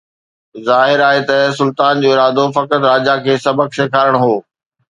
ظاهر آهي ته سلطان جو ارادو فقط راجا کي سبق سيکارڻ هو